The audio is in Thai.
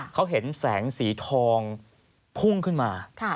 เขาเห็นแสงสีทองพุ่งขึ้นมา